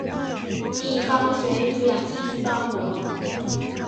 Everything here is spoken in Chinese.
一方水土养一方人